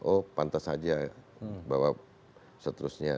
oh pantas saja bahwa seterusnya